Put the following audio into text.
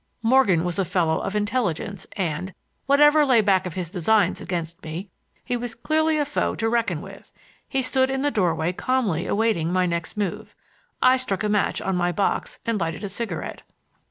Morgan was a fellow of intelligence and, whatever lay back of his designs against me, he was clearly a foe to reckon with. He stood in the doorway calmly awaiting my next move. I struck a match on my box and lighted a cigarette.